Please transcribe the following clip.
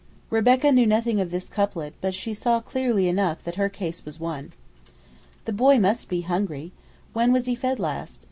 Rebecca knew nothing of this couplet, but she saw clearly enough that her case was won. "The boy must be hungry; when was he fed last?"